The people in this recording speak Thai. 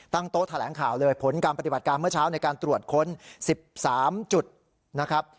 โต๊ะแถลงข่าวเลยผลการปฏิบัติการเมื่อเช้าในการตรวจค้น๑๓จุดนะครับ